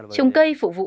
trồng cây phụ vụ